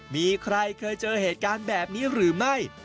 มีใครเคยเจอเหตุการณ์แบบนี้หรือไม่